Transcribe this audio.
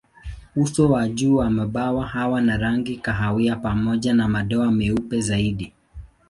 Uso wa juu wa mabawa huwa na rangi kahawia pamoja na madoa meupe zaidi.